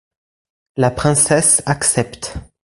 La princesse accepte.